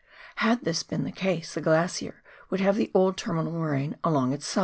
Had this been the case, the glacier would have the old terminal moraine along its side.